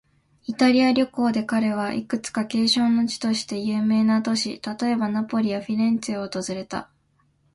イタリア旅行で彼は、いくつか景勝の地として有名な都市、例えば、ナポリやフィレンツェを訪れた。